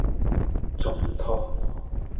中湯